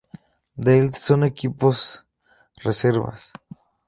Deild son equipos reservas.